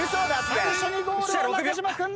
最初にゴールは中島君。